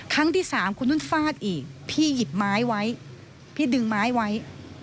ครั้งที่๓ฟาดอีกพี่หยิบไม้ไว้